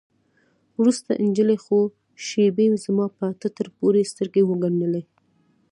وروسته نجلۍ څو شېبې زما په ټټر پورې سترګې وگنډلې.